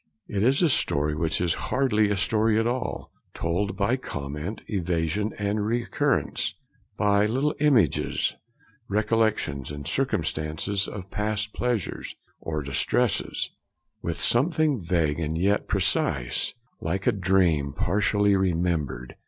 It is a story which is hardly a story at all, told by comment, evasion, and recurrence, by 'little images, recollections, and circumstances of past pleasures' or distresses; with something vague and yet precise, like a dream partially remembered.